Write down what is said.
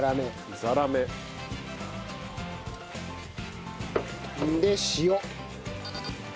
ザラメ。で塩。